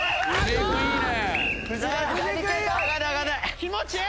気持ちいい！